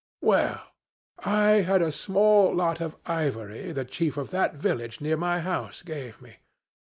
'Well, I had a small lot of ivory the chief of that village near my house gave me.